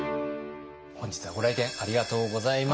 本日はご来店ありがとうございます。